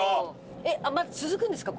えっまだ続くんですか？